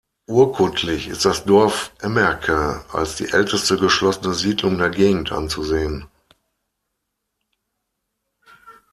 Urkundlich ist das Dorf Emmerke als die älteste geschlossene Siedlung der Gegend anzusehen.